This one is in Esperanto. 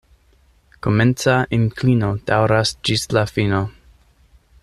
Komenca inklino daŭras ĝis la fino.